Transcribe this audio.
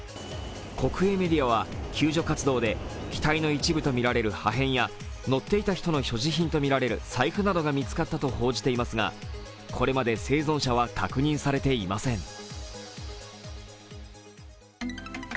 国営メディアは救助活動で機体の一部とみられる破片や乗っていた人の所持品とみられる財布などが見つかったと報じていますが、これまで生存者は確認されていません。